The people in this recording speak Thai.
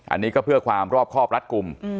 อันนี้ก็เพื่อความรอบครอบรัดกลุ่ม